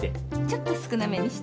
ちょっと少なめにして。